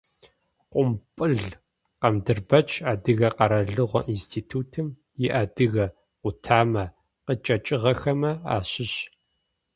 Къумпӏыл Къадырбэч, Адыгэ къэралыгъо институтым иадыгэ къутамэ къычӏэкӏыгъэхэмэ ащыщ.